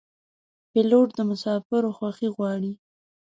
پیلوټ د مسافرو خوښي غواړي.